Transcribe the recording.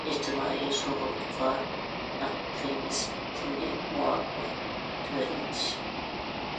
ئىجتىمائىي سۇغۇرتا ھەققى نىسبىتىنى مۇۋاپىق تۆۋەنلىتىش.